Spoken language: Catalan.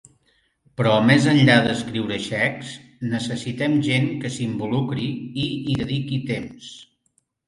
Però més enllà d'escriure xecs, necessitem gent que s'involucri i hi dediqui temps.